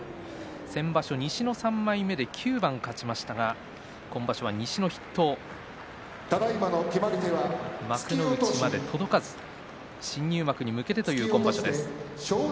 先場所、西の３枚目で９番勝ちましたが今場所は西の筆頭幕内まで届かず新入幕に向けてという今場所です。